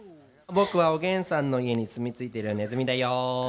僕は、おげんさんの家に住み着いている、ねずみだよ。